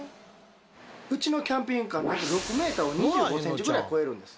うちのキャンピングカー、６メーターを２５センチぐらい超えるんです。